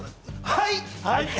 はい！